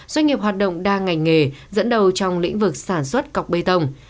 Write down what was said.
doanh nghiệp hoạt động đa ngành nghề dẫn đầu trong lĩnh vực sản xuất cọc bê tông